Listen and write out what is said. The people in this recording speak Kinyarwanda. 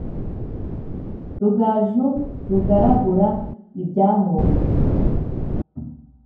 Rugaju rugaragura ibyahombye